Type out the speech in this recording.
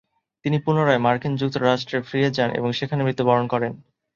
তিনি পুনরায় মার্কিন যুক্তরাষ্ট্রে ফিরে যান এবং সেখানে মৃত্যুবরণ করেন।